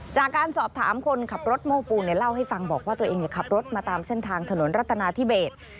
จากการสอบถามคนขับรถโม้ปูนเล่าให้ฟังบอกว่าตัวเองขับรถมาตามเส้นทางถนนรัฐนาธิเบส